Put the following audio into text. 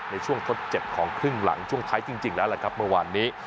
ในช่วงทดเจ็บของครึ่งหลังช่วงท้ายจริงแล้วแหละครับเมื่อวานนี้